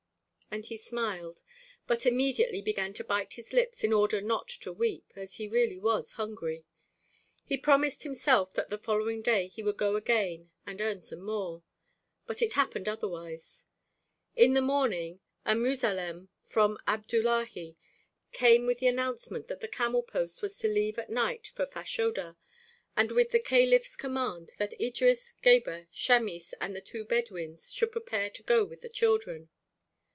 And he smiled, but immediately began to bite his lips in order not to weep, as he really was hungry. He promised himself that the following day he would go again and earn some more; but it happened otherwise. In the morning a muzalem from Abdullahi came with the announcement that the camel post was to leave at night for Fashoda, and with the caliph's command that Idris, Gebhr, Chamis, and the two Bedouins should prepare to go with the children.